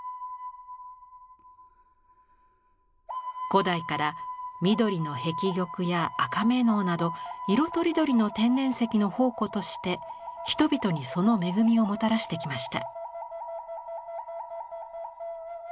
古代から緑の碧玉や赤瑪瑙など色とりどりの天然石の宝庫として人々にその恵みをもたらしてきました。